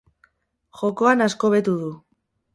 Jokoan asko hobetu du.